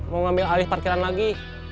mau ngambil alih parkiran lagi